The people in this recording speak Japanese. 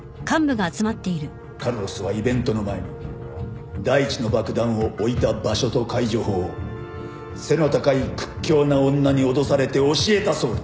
カルロスはイベントの前に第１の爆弾を置いた場所と解除法を背の高い屈強な女に脅されて教えたそうだ。